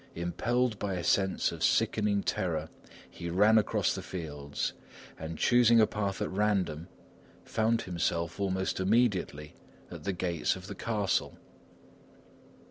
Impelled by a sense of sickening terror, he ran across the fields, and choosing a path at random, found himself almost immediately at the gates of the castle.